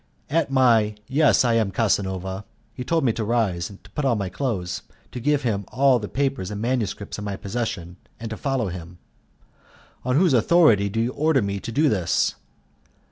At my "yes, I am Casanova," he told me to rise, to put on my clothes, to give him all the papers and manuscripts in my possession, and to follow him. "On whose authority do you order me to do this?"